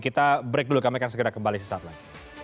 kita break dulu kami akan segera kembali sesaat lagi